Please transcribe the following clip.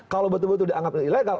kalau betul betul dianggap ilegal